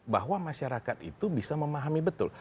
bahwa masyarakat itu bisa memahami betul